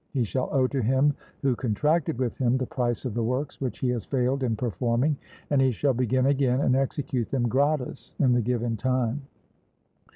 He shall owe to him who contracted with him the price of the works which he has failed in performing, and he shall begin again and execute them gratis in the given time.